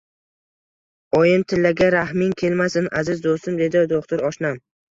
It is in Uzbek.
Oyimtillaga rahming kelmasin, aziz do`stim, dedi do`xtir oshnam